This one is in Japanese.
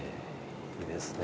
いいですね。